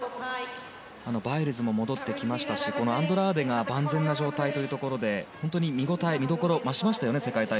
バイルズも戻ってきましたしアンドラーデが万全な状態ということで見応え、見どころ増しましたよね